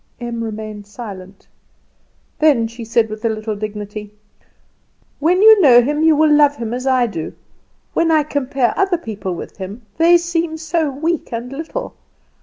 Em remained silent; then she said with a little dignity, "When you know him you will love him as I do. When I compare other people with him, they seem so weak and little.